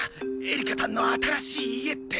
エリカたんの新しい家って。